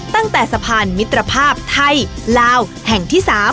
ตั้งแต่สะพานมิตรภาพไทยลาวแห่งที่๓